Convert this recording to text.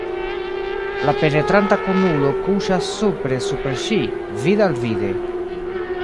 La penetranta kunulo kuŝas supre super ŝi, vid-al-vide.